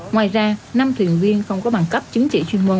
ngoài ra năm thuyền viên không có bằng cấp chứng chỉ chuyên môn